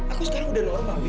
aku sekarang udah luar mampi